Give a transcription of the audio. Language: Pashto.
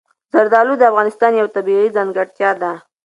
زردالو د افغانستان یوه طبیعي ځانګړتیا ده.